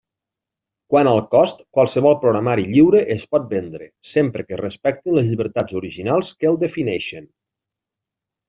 Quant al cost, qualsevol programari lliure es pot vendre, sempre que es respectin les llibertats originals que el defineixen.